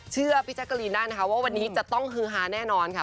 เชื่อพี่แจ๊กกะรีนได้นะคะว่าวันนี้จะต้องฮือฮาแน่นอนค่ะ